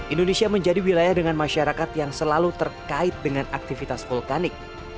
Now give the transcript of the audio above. indonesia menjadi wilayah dengan masyarakat yang selalu terkait dengan aktivitas vulkanik